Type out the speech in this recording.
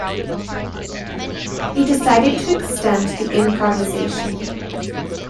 He decided to extend the improvisation.